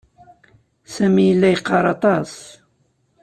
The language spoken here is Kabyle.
Sami yella yeqqaṛ aṭas.